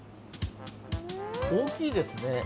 大きいですね。